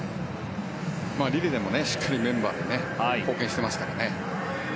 リレーでもしっかりメンバーとして貢献していますからね。